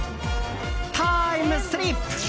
タイムスリップ！